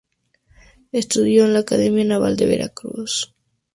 Estudió en la Academia Naval de Veracruz.